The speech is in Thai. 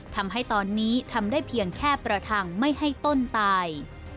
ทำให้ตอนนี้ทำได้เพียงแค่ประทังไม่ให้ต้นตาย